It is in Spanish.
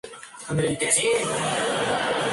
Marina y su padre fueron encarcelados.